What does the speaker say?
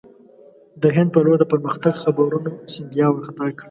د هند پر لور د پرمختګ خبرونو سیندیا وارخطا کړ.